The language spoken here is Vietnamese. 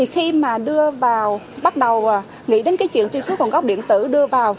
khi bắt đầu nghĩ đến chuyện truy xuất nguồn gốc điện tử đưa vào